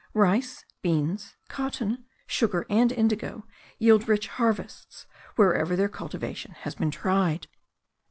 Rice, beans, cotton, sugar, and indigo yield rich harvests, wherever their cultivation has been tried.